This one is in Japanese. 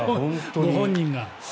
ご本人が。